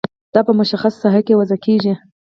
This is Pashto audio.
دا په مشخصه ساحه کې وضع کیږي.